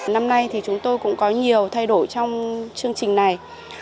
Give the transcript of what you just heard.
năm nay thì chúng tôi cũng có nhiều thay đổi trong chương trình này